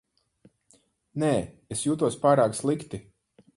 Nē, es jūtos pārāk slikti.